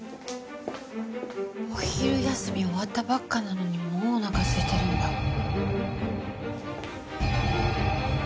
お昼休み終わったばっかなのにもうおなか空いてるんだ。